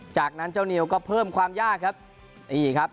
จากนั้นเจ้าเหนียวก็เพิ่มความยาก